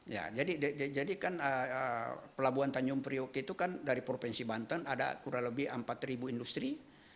ya jadi kan pelabuhan tanjung priok itu kan dari provinsi banten ada kurang lebih empat industri